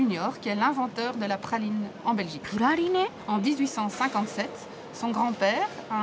プラリネ？